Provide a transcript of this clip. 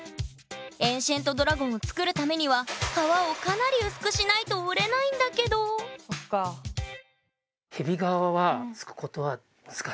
エンシェントドラゴンを作るためには革をかなり薄くしないと折れないんだけどできないって。